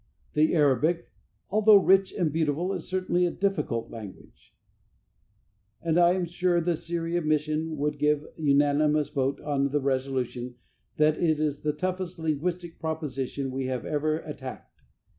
The Arabic, though rich and beautiful, is certainly a difficult language, and I am sure the Syria Mission would give a unanimous vote on the resolution that it is the toughest linguistic proposition we have ever attacked.